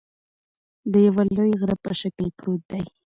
د یوه لوی غره په شکل پروت دى